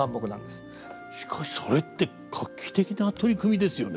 しかしそれって画期的な取り組みですよね。